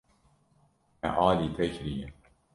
Me alî te kiriye.